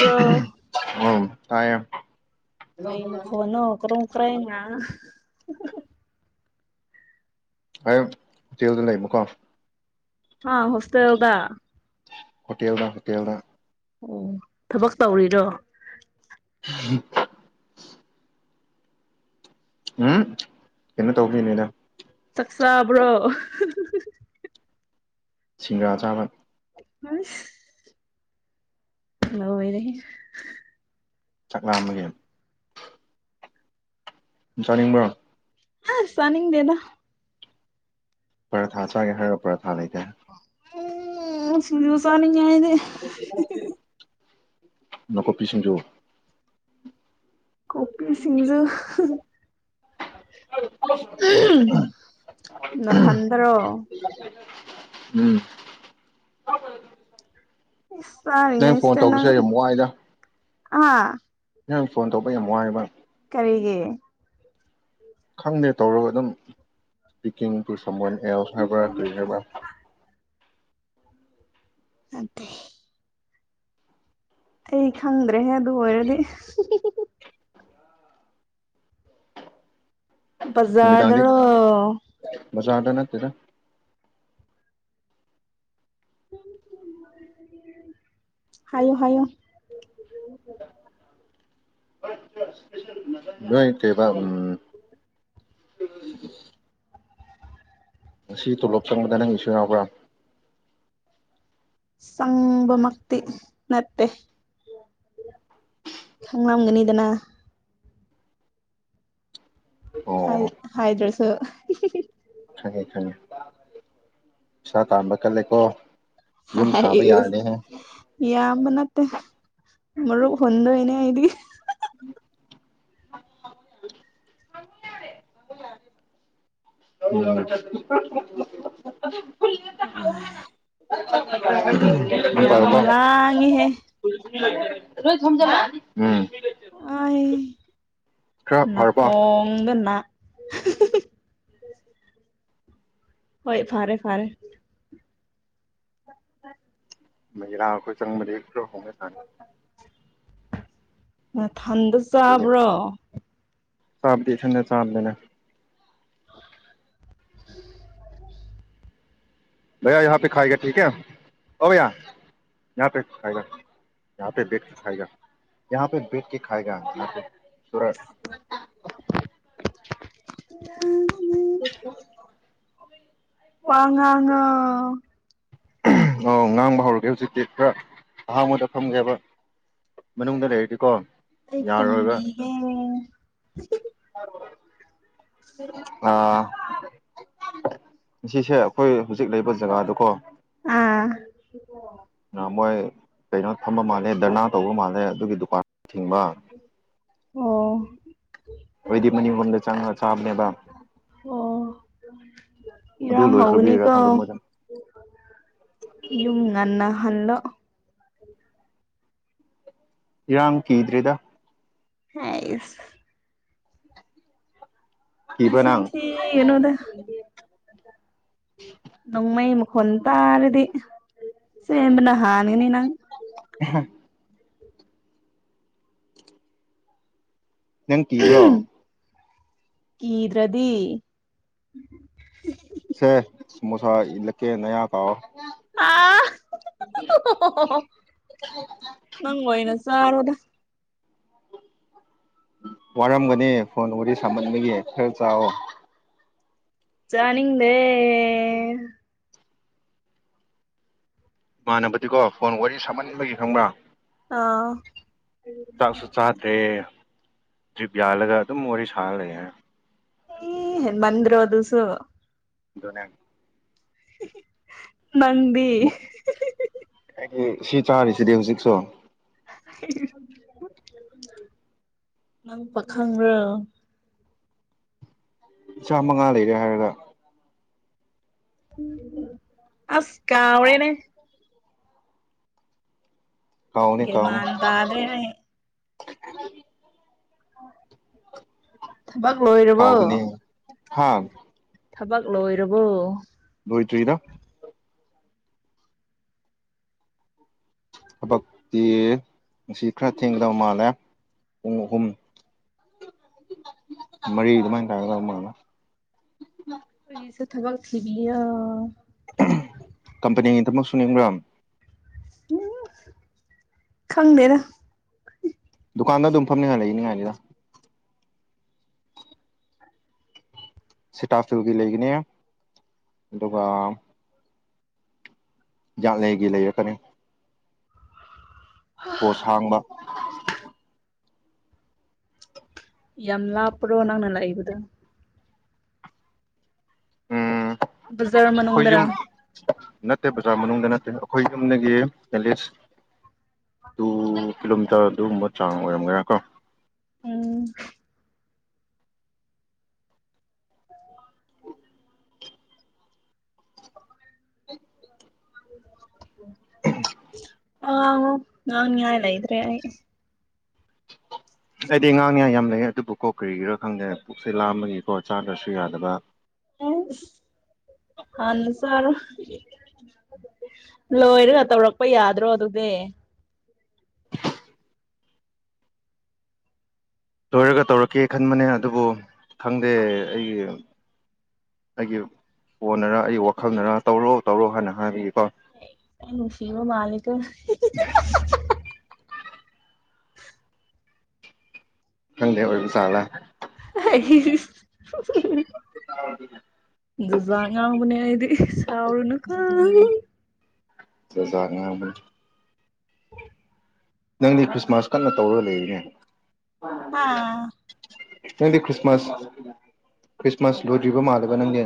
꯭ꯔꯣ ꯇꯥꯌꯦ ꯀꯥꯏ ꯃ ꯈ ꯅꯈꯔꯣ ꯀ꯭ꯔꯥꯏꯃ ꯑꯩ ꯍꯣꯇꯦꯜꯗ ꯂꯩꯕꯨꯀꯣ ꯍꯥ ꯍꯁꯇ ꯌꯒ ꯍꯣꯇꯦꯜꯗ ꯍꯣꯇꯦꯜꯗ ꯑꯣ ꯊꯕꯛ ꯇꯧꯔꯤꯔꯣ ꯎꯝ ꯎꯝ ꯀꯟꯅ ꯇꯧꯕꯒꯤꯅꯤꯗ ꯆꯕ꯭ꯔꯣ ꯁꯤꯡꯔꯥ ꯆꯥꯃ ꯑ ꯍꯂ ꯑꯣꯏꯅꯦ ꯆꯥꯛꯅꯥꯝꯃꯒ ꯆꯥꯅꯤꯡꯕ꯭ꯔꯣ ꯑ ꯁꯅꯤꯡꯗꯦꯗ ꯄꯔꯥꯊꯥ ꯆꯥꯒꯦ ꯍꯥꯏꯔꯒ ꯄꯔꯥꯊꯥ ꯂꯩꯇꯦ ꯎꯝ ꯁꯅꯤꯗ ꯅꯥꯀꯨꯞꯄꯤꯁꯤꯡꯖꯨ ꯀꯣꯄꯤ ꯁꯤꯁꯤꯡꯖꯨ ꯅꯊꯟꯗꯔꯣ [inaudible] ꯎꯝ ꯏꯁ ꯅꯪ ꯐꯣꯟ ꯆꯥꯔꯤꯉꯩꯁꯤꯗ ꯅꯪ ꯇꯧꯕꯁꯦ ꯌꯥꯝ ꯋꯥꯏꯗ ꯑꯥ ꯅꯍꯪꯥꯡ ꯐꯣꯟ ꯇꯧꯕ ꯌꯥꯝ ꯋꯥꯏꯦꯕ ꯀꯔꯤꯒꯦ ꯈꯪꯗꯦ ꯇꯧꯔꯒ ꯑꯗꯨꯝ ꯄꯄꯤꯤꯀꯤꯡ ꯇ ꯁꯃꯟ ꯑꯦ ꯍꯦꯕꯥꯔ ꯀ ꯍꯥꯏꯔꯕꯥ ꯑꯗ ꯑꯩ ꯈꯪꯗ꯭ꯔꯦꯍꯦ ꯑꯗꯨ ꯑꯣꯏꯔꯗꯤ ꯕꯖꯥꯗꯔꯣ ꯃꯖꯥ ꯑꯗ ꯅ ꯇꯔ ꯑ ꯍꯣꯏ ꯍꯥꯏꯌꯣ ꯍꯥꯏꯌꯣ ꯅꯣꯏ ꯀꯩꯕꯥ ꯎꯝ ꯉꯁꯤ ꯇꯣꯂꯣꯞ ꯆꯪꯕꯗ ꯅꯪ ꯏꯁꯨ ꯌꯥꯎꯕ꯭ꯔꯥ ꯁꯝꯕꯃꯛꯇ ꯅꯠꯇꯦ ꯈꯪꯂꯝꯒꯅꯤꯗꯅ ꯍꯥꯏ ꯑꯣ ꯍꯥꯏꯗ꯭ꯔꯣꯁꯨ ꯈꯪꯉꯦ ꯈꯪꯉꯦ ꯄꯩꯁꯥ ꯇꯥꯝꯕ ꯀꯜꯂꯦꯀꯣ ꯌꯨꯝ ꯍꯥꯏ ꯁꯥꯕ ꯌꯥꯔꯅꯤꯍꯦ ꯏ ꯃꯅ ꯃꯔ ꯐꯟꯗ ꯏꯅꯦ ꯍꯥꯏꯗꯤ ꯂꯧ ꯆꯠ ꯑ ꯂꯥꯡꯉꯤꯍꯦ [unintelligible] ꯣꯏ ꯊꯝꯖ ꯑ ꯈꯔ ꯐꯔꯕꯣ ꯅꯥꯀꯣꯡꯅꯅꯥ [unintelligible] ꯍꯣꯏ ꯐꯥꯔꯦ ꯐꯥꯔꯦ ꯑ ꯃꯔꯥꯈꯣꯏ ꯆꯪ ꯃꯅꯤ꯭ꯔꯣ ꯍꯣꯡꯦ ꯊꯥꯦ ꯅꯊꯟꯗ ꯆꯥꯕ꯭ꯔꯣ ꯆꯥꯞꯇ ꯊꯗ ꯆꯥꯕꯗꯅ [unintelligible] ꯚꯌꯥ ꯌꯍꯥ ꯄꯦ ꯈꯥꯏꯒ ꯊꯀꯦ ꯑꯣꯕꯌꯥ ꯌꯍ ꯄꯦ ꯈꯥꯏꯒ ꯌꯍ ꯄꯦ ꯀ ꯈꯑꯒ ꯌꯍ ꯄꯦ ꯦ ꯀ ꯈꯒꯦ ꯁꯨꯔꯠ ꯎꯝ ꯑꯣ ꯋꯥꯉꯉ ꯉꯥꯡꯕ ꯍꯧꯔꯒꯦ ꯍꯧꯖꯤꯛꯇꯤ ꯈꯔ ꯑꯍꯥꯟꯕꯗ ꯐꯝꯒꯦꯕ ꯃꯅꯨꯡꯗ ꯂꯩꯔꯗꯤꯀꯣ ꯌꯥꯔꯣꯏꯕ ꯈꯨꯝꯔꯤ ꯍ ꯑꯥ ꯁꯤꯁꯦ ꯑꯩꯈꯣꯏ ꯍꯧꯖꯤꯛ ꯂꯩꯕ ꯖꯒꯥꯗꯨꯀꯣ ꯑꯥ ꯑ ꯃꯣꯏ ꯀꯩꯅꯣ ꯊꯝꯕ ꯃꯥꯜꯂꯦ ꯙꯔꯅꯥ ꯇꯧꯕ ꯃꯥꯜꯂꯦ ꯑꯗꯨꯒꯤ ꯗꯨꯀꯥꯟ ꯊꯤꯡꯕ ꯑꯣ ꯑꯣꯏꯗꯤ ꯃꯅꯤꯕꯗ ꯆꯥꯡ ꯆꯥꯕꯅꯦꯕ ꯑꯗꯨ ꯏꯔꯥꯡꯥꯡ ꯍꯒꯅꯤ ꯂꯣꯏꯈ꯭ꯔꯕꯤꯔꯥ ꯀꯣ ꯈꯪꯗ ꯃꯣꯏꯗ ꯌꯨꯝ ꯉꯟꯅ ꯍꯜꯂ ꯏꯔꯝ ꯀꯗ꯭ꯔꯦꯗ ꯑꯁ ꯀꯤꯕ꯭ꯔꯥ ꯅꯪ ꯁꯟꯁꯤꯤ ꯌꯦꯅꯗ ꯅꯣꯡꯃꯩ ꯍꯟ ꯇꯥꯔꯗꯤ ꯁꯤꯕꯅ ꯍꯅꯒꯅꯤ ꯅꯪ ꯅꯪ ꯀꯤꯕ꯭ꯔꯣ ꯀꯗ꯭ꯔꯗꯤ ꯁꯦꯃꯣꯁꯥ ꯏꯂꯀꯦ ꯅꯌꯥ ꯀꯥꯥꯎꯑꯣ ꯅꯪꯅ ꯆꯥꯔꯣꯗ ꯋꯥꯔꯝꯒꯅꯤ ꯐꯣꯟ ꯋꯥꯔꯤ ꯁꯥꯃꯟꯕꯒꯤ ꯈꯔ ꯆꯥꯛꯑꯣ ꯆꯥꯅꯤꯡꯗꯦ ꯃꯥꯟꯅꯕꯗꯤꯀꯣ ꯐꯣꯟ ꯋꯥꯔꯤ ꯁꯥꯝꯃꯟꯕꯒꯤ ꯈꯪꯕ꯭ꯔꯥ ꯑꯥ ꯆꯥꯛꯁꯨ ꯆꯥꯇꯦ ꯇ꯭ꯔꯤꯞ ꯌꯥꯜꯂꯒ ꯑꯗꯨꯝ ꯋꯥꯔꯤ ꯁꯥꯔ ꯂꯩ ꯍꯥꯏ ꯍ ꯃꯟꯔꯣ ꯑꯗꯨꯁꯨꯣ ꯅ ꯃꯟꯗꯤ ꯑꯦ ꯁꯤ ꯆꯥꯔꯤꯁꯤꯗꯤ ꯍꯧꯖꯤꯛꯁꯨ ꯅꯪ ꯄꯥꯈꯪ꯭ꯔꯣ ꯆꯃ ꯉꯥ ꯂꯩꯔ ꯍꯥꯏꯗ ꯑꯁ ꯀꯅꯦ ꯀꯥꯎꯅꯤ ꯀꯥꯎꯅꯤ ꯒꯃꯗ ꯑꯗꯨ꯭ꯔꯦꯅꯦ [inaudible] ꯊꯕꯥꯛ ꯂꯣꯏꯔꯔꯕꯣ ꯍꯥꯥ ꯊꯕꯛ ꯂꯣꯏꯔꯕꯣ ꯀꯣꯏꯇ꯭ꯔꯤꯗ ꯊꯕꯛꯇꯤ ꯉ ꯈꯔ ꯊꯦꯡꯒꯗꯕ ꯃꯥꯜꯂꯦ ꯑꯣꯍꯨꯝ ꯃꯔꯤꯩ ꯑꯗꯨꯃꯥꯏꯅ ꯇꯒꯗꯃꯅ ꯑꯩꯣꯏꯁꯦ ꯊꯕꯛ ꯊꯕꯤ ꯑ ꯀꯝꯄꯅꯤꯒꯤꯗꯃꯛꯁꯨ ꯅꯤꯡꯕ꯭ꯔꯥꯝ ꯎꯝ ꯈꯪꯗꯅ ꯗꯨꯀꯥꯟꯗ ꯑꯗꯨꯝ ꯐꯝꯅꯤꯡꯉꯥꯏ ꯂꯩꯅꯤꯉꯥꯏꯅꯤꯗ ꯁꯤꯇꯥꯐꯤꯜꯒꯤ ꯂꯩꯒꯅꯤ ꯑꯗꯨꯒ ꯖꯠ ꯂꯩꯒꯤ ꯂꯩꯔꯛꯀꯅꯤ ꯄꯣꯠꯁ ꯍꯥꯡꯕ ꯌꯥꯝ ꯂꯥꯞꯄ꯭ꯔꯣ ꯅꯪꯅ ꯂꯥꯛꯏꯕꯗꯣ ꯎꯝ ꯕꯖꯥꯔ ꯑꯩꯈꯣꯏ ꯃꯅꯨꯡꯗꯔꯥ ꯌꯨꯝ ꯅꯠꯇꯦ ꯕꯖꯥꯔ ꯃꯅꯨꯡꯗ ꯅꯠꯇꯦ ꯑꯩꯈꯣꯏ ꯌꯨꯝꯅꯗꯒꯤ ꯆꯂꯤꯁ ꯇꯨ ꯀꯤꯂꯣꯃꯤꯇꯔ ꯑꯗꯨꯒꯨꯝꯕ ꯆꯥꯡ ꯑꯣꯏꯔꯝꯒꯔꯥ ꯀꯣ ꯎꯝ ꯑꯣ [inaudible] ꯎ ꯑ ꯅꯥꯡ ꯅꯂꯏ꯭ꯔꯦ ꯑꯩꯗꯤ ꯉꯥꯡꯅꯤꯉ ꯌꯥꯝ ꯂꯩ ꯑꯗꯨꯕꯨ ꯀꯣ ꯀꯔꯤꯒꯤꯔꯥ ꯈꯪꯗꯦ ꯄꯨꯛꯁꯦ ꯂꯥꯝꯕꯒꯤꯀꯣ ꯆꯥꯗ꯭ꯔꯁꯨ ꯌꯥꯗꯕ ꯍꯅꯔ ꯂꯣꯏꯔꯒ ꯇꯧꯔꯛꯄ ꯌꯥꯗ꯭ꯔꯣ ꯑꯗꯨꯗꯤ ꯂꯣꯏꯔꯒ ꯇꯧꯔꯛꯀꯦ ꯈꯟꯕꯅꯦ ꯑꯗꯨꯕꯨ ꯈꯪꯗꯦ ꯑꯩꯒꯤ ꯑꯩꯒꯤ ꯀꯣꯟꯅꯔ ꯑꯩꯒꯤ ꯋꯥꯈꯜꯗꯔ ꯇꯧꯔꯣ ꯇꯧꯔꯣ ꯍꯥꯏꯅ ꯍꯥꯏꯕꯤꯌ ꯁꯤꯕ ꯃꯥꯂꯤꯒꯣ [unintelligible] ꯀꯪꯗꯦ ꯑꯣꯏꯔ ꯃꯁꯥꯂ [inaudible] ꯖꯥꯉꯕꯅꯦꯗꯤ ꯆꯥꯎꯔꯅ ꯈ ꯆꯖꯥꯔꯃꯜ ꯅꯪꯗꯤ ꯈ꯭ꯔꯤꯁꯃꯥꯁ ꯀꯟꯅ ꯇꯧꯔꯒ ꯂꯩꯔꯤꯅꯦ ꯑꯥ ꯈ꯭ ꯅꯪꯗꯤ ꯈ꯭ꯔꯤꯁꯃꯥꯁ ꯈ꯭ꯔꯤꯁꯃꯥꯁ ꯂꯔꯤꯕ ꯃꯥꯂꯕ ꯅꯪꯒꯤ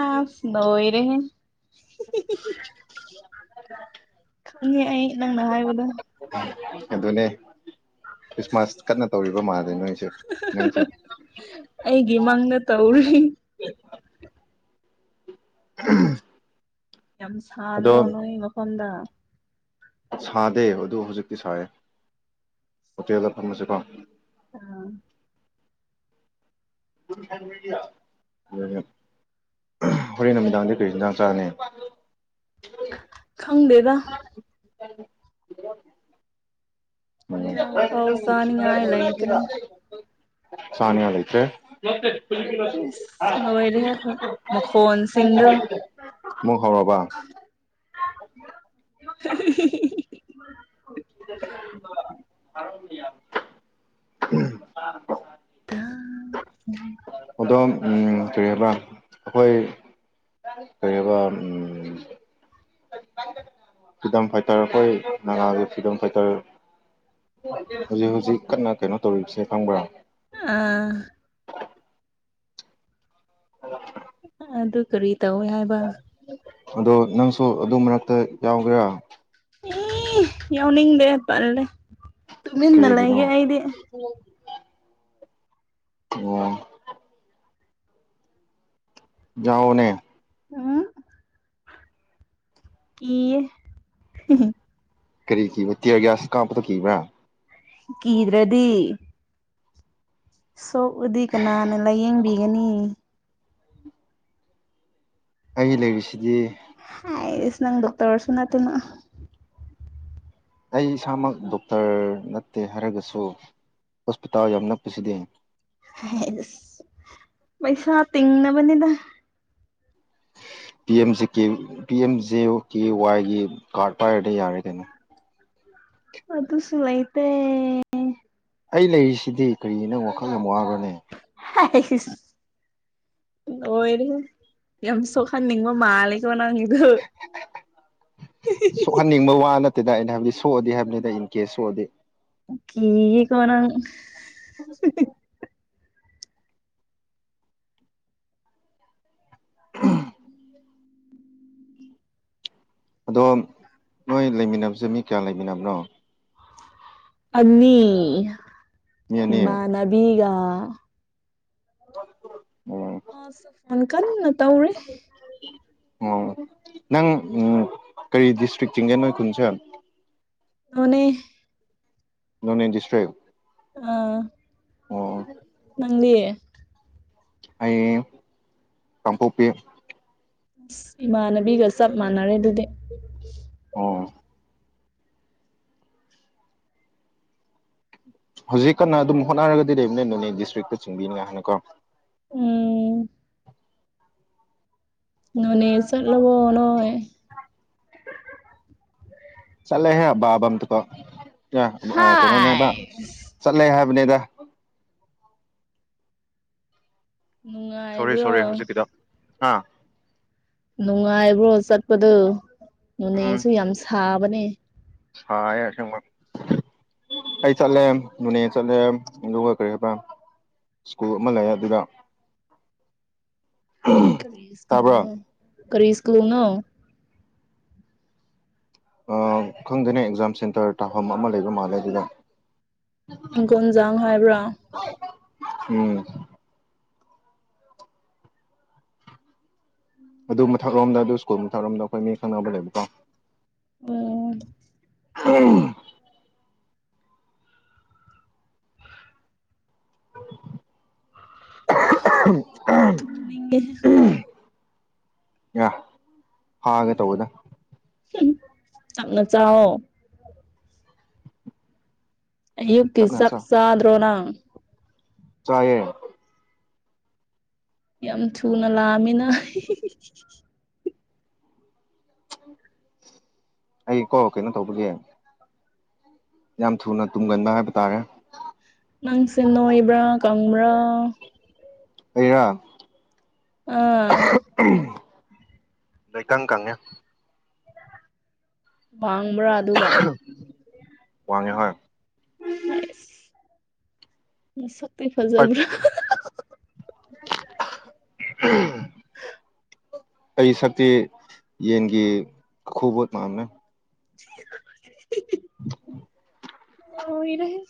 ꯑꯥꯅꯔꯦ [inaudible] ꯈꯪꯉꯦ ꯑꯩ ꯅꯪꯅ ꯍꯥꯏꯕꯗꯣ ꯑꯗꯨꯅꯦ ꯈ꯭ꯔꯤꯁꯃꯥꯁ ꯀꯟꯅ ꯇꯧꯔꯤꯕ ꯃꯥꯜꯗꯦ ꯅꯣꯏꯁꯨꯦ ꯅꯪꯁꯦ ꯑꯩꯒꯤ ꯃꯪꯗ ꯇꯧꯔꯤ ꯎ ꯌꯥꯝ ꯁꯥꯗꯔꯣ ꯅꯣꯏ ꯃꯐꯝꯗ ꯁꯥꯗꯦ ꯑꯗꯨ ꯍꯧꯖꯤꯛꯇꯤ ꯁꯥꯏꯌꯦ ꯍꯣꯇꯦꯜꯗ ꯐꯪꯁꯦꯀꯣ ꯑꯥ [inaudible] ꯍꯣꯔꯦꯟ ꯅꯨꯃꯤꯗꯥꯡꯗꯤ ꯀꯔꯤ ꯢꯟꯖꯥꯡ ꯆꯥꯅꯤ ꯈꯪꯗꯦꯗ [inaudible] [inaudible] [inaudible] ꯏꯟꯖꯥꯡ ꯐꯥꯎ ꯆꯥꯅꯤꯡꯉꯥꯏ ꯂꯩꯇ꯭ꯔꯦ ꯑꯁ ꯂꯣꯏꯔꯦꯍꯦ ꯑꯈꯣꯏ ꯃꯈꯣꯟꯁꯤꯡꯗꯣ [inaudible] ꯃꯨꯛ ꯍꯧꯔꯕꯥ [inaudible] [inaudible] ꯑꯗꯣ ꯀꯔꯤ ꯍꯥꯏꯕ ꯑꯩꯈꯣꯏ ꯀꯔꯤ ꯍꯥꯏꯕ ꯐ꯭ꯔꯤꯗꯝ ꯐꯥꯏꯇꯔ ꯑꯩꯈꯣꯏ ꯅꯒꯥꯒꯤ ꯐ꯭ꯔꯤꯗꯝ ꯐꯥꯏꯇꯔ ꯍꯧꯖꯤꯛ ꯍꯧꯖꯤꯛ ꯀꯟꯅ ꯀꯩꯅꯣ ꯇꯧꯔꯤꯁꯦ ꯈꯪꯕ꯭ꯔꯥ ꯑ ꯑꯗꯨ ꯀꯔꯤ ꯇꯧꯏ ꯍꯥꯏꯕ ꯑꯗꯣ ꯅꯪꯁꯨ ꯑꯗꯨ ꯃꯔꯛꯇ ꯌꯥꯎꯒꯦꯔꯥ ꯏ ꯌꯥꯎꯅꯤꯡꯗꯦ ꯇꯜꯂꯦ ꯇꯨꯃꯤꯟꯗ ꯀꯔꯤꯒꯤꯅꯣ ꯂꯩꯒꯦ ꯑꯩꯗꯤ ꯋꯥ ꯌꯥꯎꯅꯦ ꯎꯝ ꯀꯤꯌꯦ ꯀꯔꯤꯒꯤ ꯇꯤꯌꯥꯔꯒꯌꯥꯁ ꯀꯞꯄꯗꯨ ꯀꯤꯕ꯭ꯔꯥ ꯀꯤꯗ꯭ꯔꯗꯤ ꯁꯣꯛꯑꯗꯤ ꯀꯅꯥꯅ ꯂꯥꯏꯌꯦꯡꯕꯤꯒꯅꯤ ꯑꯩ ꯂꯩꯔꯤꯁꯤꯗꯤ ꯑꯩꯁ ꯅꯪ ꯗꯣꯛꯇ꯭ꯔꯁꯨ ꯅꯠꯇꯅ ꯑꯩ ꯏꯁꯥꯃꯛ ꯗꯣꯛꯇ꯭ꯔ ꯅꯠꯇꯦ ꯍꯥꯏꯔꯒꯁꯨ ꯍꯣꯁꯄꯤꯇꯥꯜ ꯌꯥꯝꯅ ꯅꯛꯄꯁꯤꯗ ꯍꯦꯁ ꯄꯩꯁꯥ ꯇꯤꯡꯅꯕꯅꯤꯗ [inaudible] ꯄꯤ M J K P M J K ꯋꯥꯏꯒꯤ ꯀꯥꯔꯗ ꯄꯥꯏꯔꯗꯤ ꯌꯥꯔꯦ ꯀꯩꯅꯣ ꯑꯗꯨꯁꯨ ꯂꯩꯥꯇꯦ ꯑꯩ ꯂꯩꯔꯤꯁꯤꯗꯤ ꯀꯔꯤꯅꯣ ꯋꯥꯈꯜ ꯌꯥꯝ ꯋꯥꯕꯅꯦ ꯂꯣꯢꯔꯦꯍꯦ ꯌꯥꯝ ꯁꯣꯛꯍꯟꯅꯤꯡꯕ ꯃꯥꯟꯂꯦ ꯅꯪꯒꯤꯗꯨ ꯁꯣꯛꯍꯟꯅꯤꯡꯕ ꯋꯥ ꯅꯠꯇꯦꯗ ꯑꯩꯅ ꯍꯥꯏꯕꯗꯤ ꯁꯣꯛꯑꯗꯤ ꯍꯥꯏꯕꯅꯤꯗ ꯏꯟ ꯀꯦꯁ ꯁꯣꯛꯑꯗꯤ ꯀꯤꯌꯦꯀꯣ ꯅꯪ ꯑꯗꯣ ꯅꯣꯏ ꯂꯩꯃꯤꯟꯅꯕꯁꯦ ꯃꯤ ꯀꯌꯥ ꯂꯩꯃꯤꯟꯅꯕꯅꯣ ꯑꯅꯤ ꯃꯤ ꯑꯅꯤ ꯏꯃꯥ ꯅꯕꯤꯒ ꯎꯝ ꯃꯥꯁꯨ ꯐꯣꯟ ꯀꯟꯅ ꯇꯧꯔꯦ [inaudible] ꯑꯣ ꯅꯪ ꯎꯝ ꯀꯔꯤ ꯗꯤꯁꯇ꯭ꯔꯤꯛ ꯆꯤꯡꯒꯦ ꯅꯣꯏ ꯈꯨꯟꯁꯦ ꯅꯣꯅꯦ ꯅꯣꯟꯅꯦ ꯗꯤꯁꯇ꯭ꯔꯤꯛ ꯑꯥ ꯑꯣ ꯅꯪꯗꯤ ꯑꯩ ꯀꯥꯡꯄꯣꯛꯄꯤ꯫ ꯑꯁ ꯏꯃꯥꯟꯅꯕꯤꯒ ꯆꯞ ꯃꯥꯟꯅꯔꯦ ꯑꯗꯨꯗꯤ꯫ ꯑꯣ꯫ ꯍꯧꯖꯤꯛ ꯀꯟꯅ ꯑꯗꯨꯝ ꯍꯣꯠꯅꯔꯒꯗꯤ ꯂꯩꯕꯅꯦ ꯅꯣꯅꯦ ꯗꯤꯁꯇ꯭ꯔꯤꯛꯇ ꯆꯤꯡꯕꯤꯅꯤ ꯍꯥꯥꯏꯅ ꯀꯣ꯫ ꯎꯝ꯫ ꯅꯣꯅꯦ ꯆꯠꯂꯕꯣ ꯅꯣꯏ꯫ ꯆꯠꯂꯦꯍꯦ ꯕꯥꯕꯝꯇꯀꯣ ꯑꯥ ꯀꯩꯅꯣꯅꯦꯕ ꯍꯥꯏꯁ ꯆꯠꯂꯦ ꯍꯦ ꯔꯨꯅꯦꯗ꯫ ꯁꯣꯔꯤ ꯅꯨꯡꯉꯥꯏꯕ꯭ꯔꯣ ꯁꯣꯔꯤ ꯍꯧꯖꯤꯛꯀꯤꯗꯣ ꯑꯥ꯫ ꯅꯨꯡꯉꯥꯏꯕ꯭ꯔꯣ ꯆꯠꯄꯗꯣ ꯅꯣꯅꯦꯁꯨ ꯌꯥꯝ ꯁꯥꯕꯅꯦ꯫ ꯁꯥꯌꯦ ꯑꯁꯦꯡꯕ꯫ ꯑꯩ ꯆꯠꯂꯦ ꯅꯣꯅꯦ ꯆꯠꯂꯦ ꯑꯗꯨꯒꯈ ꯀꯔꯤ ꯍꯥꯏꯕ꯫ ꯁ꯭ꯀꯨꯜ ꯑꯃ ꯂꯩ ꯑꯗꯨꯒ꯫ ꯀꯔꯤ ꯁꯀꯨꯅ ꯀꯔꯤ ꯁꯀꯨꯅ ꯑꯥ ꯈꯪꯗꯦꯅꯦ ꯑꯦꯛꯖꯥꯝ ꯁꯦꯟꯇꯔ ꯇꯥꯐꯝ ꯑꯃ ꯂꯩꯕ ꯃꯥꯜꯂꯦ ꯑꯗꯨꯗꯤ꯫ ꯍꯤꯡꯒꯣꯟꯖꯥꯡ ꯍꯥꯏꯕ꯭ꯔꯥ꯫ ꯎꯝ꯫ ꯑꯗꯨ ꯃꯊꯛꯂꯣꯝꯗ ꯑꯗꯨ ꯁ꯭ꯀꯨꯜ ꯃꯊꯛꯔꯣꯝꯗ ꯑꯩꯈꯣꯏ ꯃꯤ ꯈꯪꯅꯕ ꯂꯩꯕꯀꯣ꯫ ꯑꯣ꯫ [unintelligible] [unintelligible] ꯅꯤꯡꯉꯦ ꯑꯌ ꯐꯥꯒꯦ ꯇꯧꯋꯦꯗ꯫ ꯇꯝꯅ ꯆꯥꯑꯣ꯫꯫ ꯌꯨꯛꯇꯤ ꯇꯞꯅ ꯆꯥꯛꯆꯗ꯭ꯔꯣ ꯅꯪ꯫ ꯆꯌꯦ꯫ ꯌꯥꯝ ꯊꯨꯅ ꯂꯥꯛꯑꯃꯤꯅ꯫ ꯑꯩ ꯀꯣ ꯀꯩꯅꯣ ꯇꯧꯕꯒꯤ꯫ ꯌꯥꯝ ꯊꯨꯅ ꯇꯨꯝꯒꯟꯕ ꯍꯥꯏꯕ ꯇꯥꯔꯦ꯫ ꯅꯪꯁꯦ ꯅꯣꯏꯕ꯭ꯔꯥ ꯀꯪꯕ꯭ꯔꯥ꯫ ꯑꯩꯔ꯫ ꯑꯥ꯫ ꯅꯣꯏ ꯀꯪ ꯀꯪꯉꯦ꯫ ꯋꯥꯕ꯭ꯔꯥ ꯑꯗꯨꯒ꯫ ꯋꯥꯉꯦ ꯍꯣꯏ꯫ ꯍꯥꯏꯁ ꯃꯁꯛ ꯇꯤ ꯄꯠ ꯐꯖꯕ꯭ꯔꯥ꯫ [unintelligible] ꯑꯩ ꯁꯛꯇꯤ ꯌꯦꯟꯒꯤ ꯈꯨꯕꯣꯠ ꯃꯥꯝꯕꯅꯦ꯫ [unintelligible] [inaudible] ꯂꯣꯏꯔꯦꯍꯦ꯫